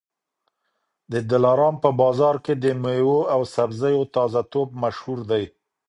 د دلارام په بازار کي د مېوو او سبزیو تازه توب مشهور دی.